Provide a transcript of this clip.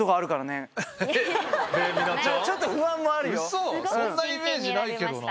そんなイメージないけどな。